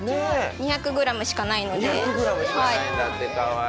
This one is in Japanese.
２００ｇしかないので。